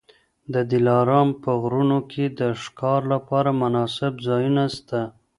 د دلارام په غرونو کي د ښکار لپاره مناسب ځایونه سته.